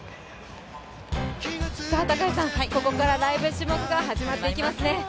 ここからはライブ種目が始まっていきますね。